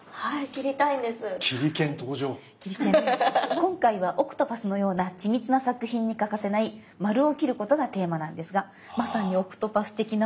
今回はオクトパスのような緻密な作品に欠かせない「丸」を切ることがテーマなんですがまさにオクトパス的なものを切って頂きます。